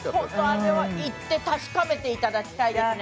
あれは行って確かめていただきたいですね